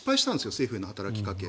政府への働きかけ。